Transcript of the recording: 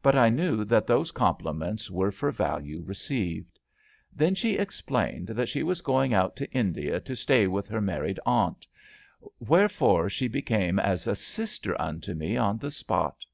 But I knew that those compliments were for value received. Then she explained that «he was going out to India to stay with her mar ried aunt, wherefore she became as a sister unto ON EXHIBITION 251 me on the spot.